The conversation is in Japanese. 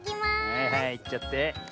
はいはいいっちゃって。